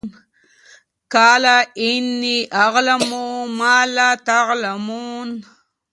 قَالَ إِنِّىٓ أَعْلَمُ مَا لَا تَعْلَمُونَ